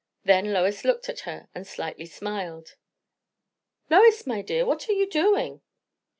Then Lois looked at her and slightly smiled. "Lois, my dear, what are you doing?"